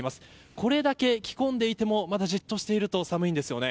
これだけ着込んでいても、まだじっとしていると寒いです。